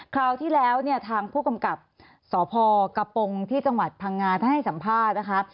คราวที่แล้วเนี่ยทางผู้กำกับสพกระปงที่จังหวัดพังงาท่านให้สัมภาษณ์นะคะ